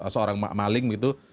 seorang maling begitu